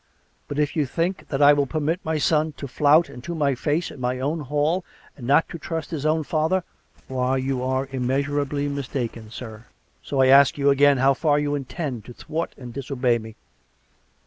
" But if you think that I will permit my son to flout me to my face in my own hall, and not to trust his own father — why, you are immeasurably mistaken, sir. So I as'k you again how far you intend to thwart and disobey me."